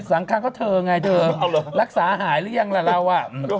สังคารก็เธอไงเธอรักษาหายหรือยังล่ะเราอ่ะ